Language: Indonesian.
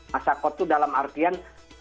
masyarakat itu dalam artian